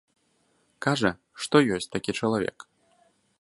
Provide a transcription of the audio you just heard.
Кажа, што ёсць такі чалавек.